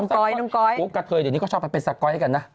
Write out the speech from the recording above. นุ้งก้อยนุ้งก้อยกระเทยเดี๋ยวนี้ก็ชอบไปเป็นสก๊อยกันนะ